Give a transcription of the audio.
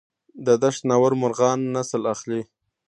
د دشت ناور مرغان نسل اخلي؟